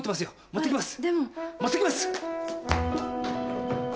持ってきます！